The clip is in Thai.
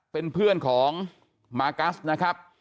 เป็นเพื่อนของมากัสนะครับ